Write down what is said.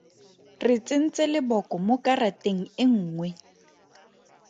Re tsentse leboko mo karateng e nngwe.